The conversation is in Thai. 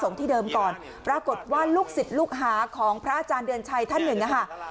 ที่เดิมก่อนปรากฏว่าลูกศิษย์ลูกหาของพระอาจารย์เดือนชัยท่านหนึ่งนะคะ